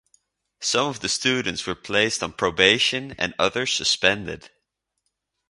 Some of the students were placed on probation and others suspended.